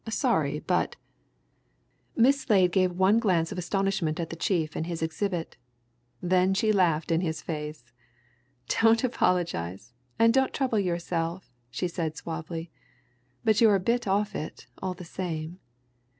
Sorry but " Miss Slade gave one glance of astonishment at the chief and his exhibit; then she laughed in his face. "Don't apologize, and don't trouble yourself!" she said suavely. "But you're a bit off it, all the same.